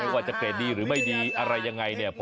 ว่าจะเกรดดีหรือไม่ดีอะไรยังไงเนี่ย